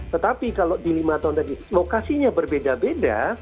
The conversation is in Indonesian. tetapi kalau di lima tahun tadi lokasinya berbeda beda